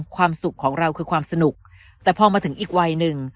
ความสุขของเราคือความสนุกแต่พอมาถึงอีกวัยหนึ่ง